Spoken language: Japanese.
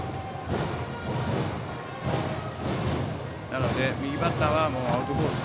なので、右バッターはアウトコース